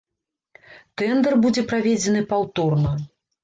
Тэндар будзе праведзены паўторна.